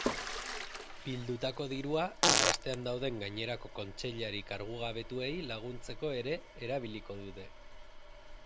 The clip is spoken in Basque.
Bildutako dirua erbestean dauden gainerako kontseilari kargugabetuei laguntzeko ere erabiliko dute.